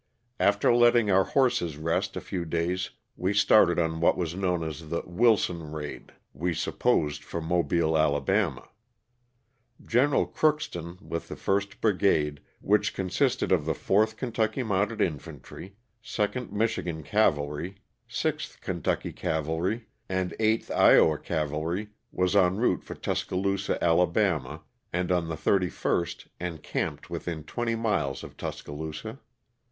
After letting our horses rest a few days we started on what was known as the "Wilson raid," we supposed for Mobile, Ala. Gen. Crookston with the first brigade, which consisted of the 4th Kentucky Mounted Infantry, 2nd Michigan Cavalry, 6th Kentucky Cavalry and was LOSS OF THE SULTANA. 85 8th Iowa Cavalry, was en route for Tuscaloosa, Ala., and on the 31st encamped within twenty miles of Tus caloosa.